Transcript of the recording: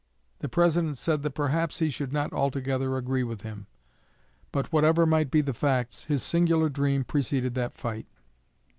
The President said that perhaps he should not altogether agree with him, but whatever might be the facts his singular dream preceded that fight.